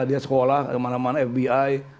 dia sekolah kemana mana fbi